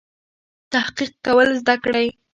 تحقیق کول زده کړئ.